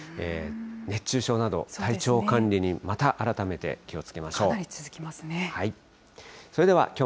熱中症など、体調管理に、また改めて気をつけましょう。